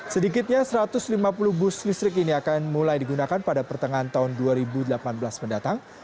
sedikitnya satu ratus lima puluh bus listrik ini akan mulai digunakan pada pertengahan tahun dua ribu delapan belas mendatang